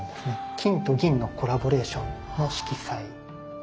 金と銀のコラボレーションの色彩。